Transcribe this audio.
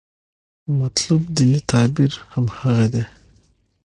مطلوب دیني تعبیر هماغه دی.